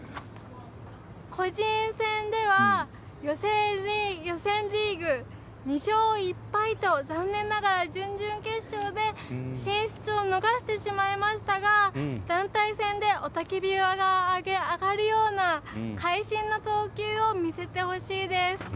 個人戦では予選リーグ２勝１敗と残念ながら準々決勝で進出を逃してしまいましたが団体戦で雄たけびが上がるような会心の投球を見せてほしいです。